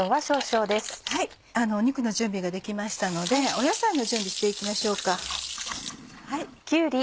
肉の準備ができましたので野菜の準備して行きましょうか。